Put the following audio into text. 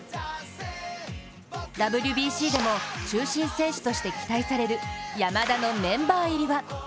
ＷＢＣでも中心選手として期待される山田のメンバー入りは？